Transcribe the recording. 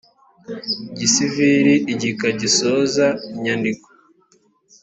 gisivili igika gisoza inyandiko